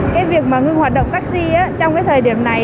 cái việc mà ngưng hoạt động taxi trong cái thời điểm này